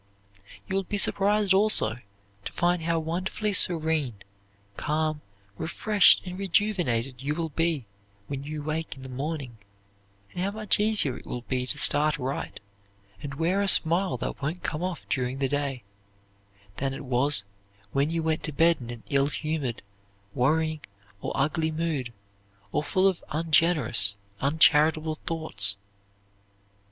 You will be surprised also to find how wonderfully serene, calm, refreshed, and rejuvenated you will be when you wake in the morning, and how much easier it will be to start right, and wear a smile that won't come off during the day, than it was when you went to bed in an ill humored, worrying or ugly mood, or full of ungenerous, uncharitable thoughts.